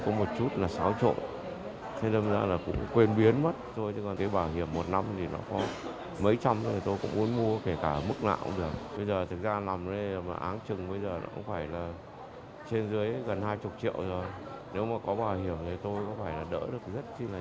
nếu mà có bảo hiểm thì tôi có phải là đỡ được rất là nhiều không